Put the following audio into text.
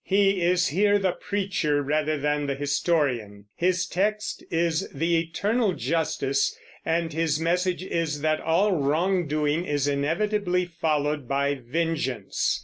He is here the preacher rather than the historian; his text is the eternal justice; and his message is that all wrongdoing is inevitably followed by vengeance.